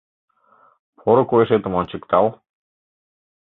Поро койышетым ончыктал.